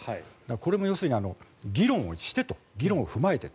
これも要するに議論をしてと議論を踏まえてと。